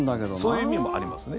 そういう意味もありますね。